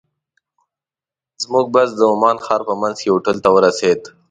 زموږ بس د عمان ښار په منځ کې هوټل ته ورسېد.